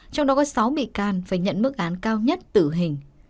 trong đó có sáu bị can phải nhận mức án cao nhất tử hình